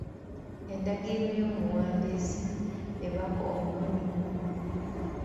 Endagiriro y'omuwandiisi ebaako omulundi gumu.